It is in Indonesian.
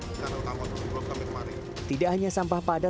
tidak hanya sampah padat dan air pekat yang kami temui sebagai nama